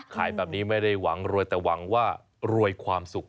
ขายแบบนี้ไม่ได้หวังรวยแต่หวังว่ารวยความสุข